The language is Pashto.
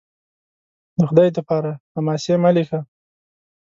د خدای دپاره! حماسې مه لیکه